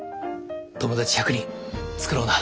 友達１００人作ろうな。